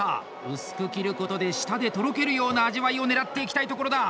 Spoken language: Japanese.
薄く切ることで舌で、とろけるような味わいをねらっていきたいところだ。